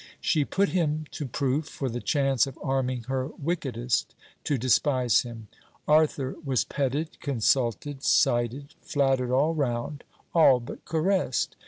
She put him to proof, for the chance of arming her wickedest to despise him. Arthur was petted, consulted, cited, flattered all round; all but caressed.